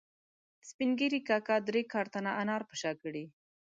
سپین ږیري کاکا درې کارتنه انار په شا کړي